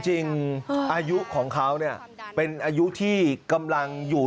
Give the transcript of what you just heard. จริงอายุของเขาเป็นอายุที่กำลังอยู่